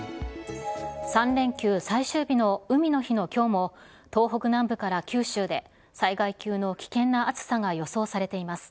３連休最終日の海の日のきょうも、東北南部から九州で、災害級の危険な暑さが予想されています。